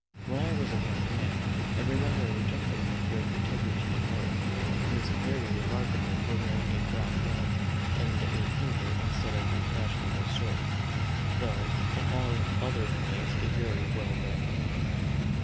When I was a young man, I remember a gentleman of great integrity and worth, was very remarkable for wearing a broad belt, and a hanger instead of a fashionable sword, though in all other points a very well bred man.